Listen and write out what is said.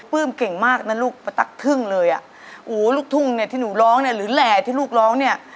เก่งมากนะลูกประตั๊กทึ่งเลยอ่ะโอ้ลูกทุ่งเนี่ยที่หนูร้องเนี่ยหรือแหล่ที่ลูกร้องเนี่ย